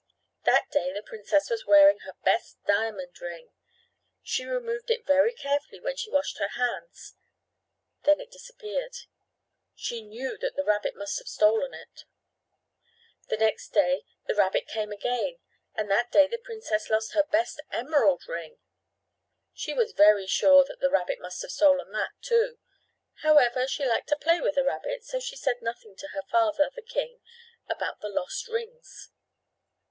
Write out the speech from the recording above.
That day the princess was wearing her best diamond ring. She removed it very carefully when she washed her hands. Then it disappeared. She knew that the rabbit must have stolen it. The next day the rabbit came again and that day the princess lost her best emerald ring. She was very sure that the rabbit must have stolen that, too. However, she liked to play with the rabbit, so she said nothing to her father, the king, about the lost rings.